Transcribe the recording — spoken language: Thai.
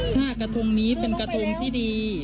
ถ้ากระทงนี้เป็นกระทงที่ดี